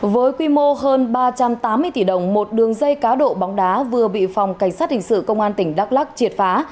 với quy mô hơn ba trăm tám mươi tỷ đồng một đường dây cá độ bóng đá vừa bị phòng cảnh sát hình sự công an tỉnh đắk lắc triệt phá